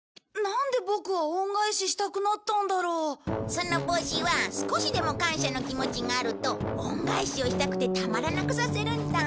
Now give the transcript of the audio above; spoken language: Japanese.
その帽子は少しでも感謝の気持ちがあると恩返しをしたくてたまらなくさせるんだ。